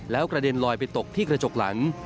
แล้วกระเด็นลอยไปตกที่กระจกหลัง